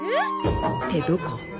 ってどこ？